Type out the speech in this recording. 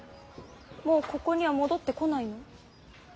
もうここには戻ってこないの？